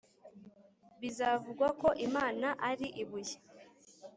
bizavugwa ko imana ari ibuye.